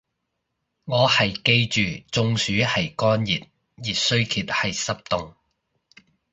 我係記住中暑係乾熱，熱衰竭係濕凍